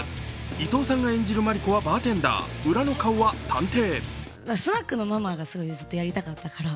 伊藤さんが演じるマリコはバーテンダー、裏の顔は探偵。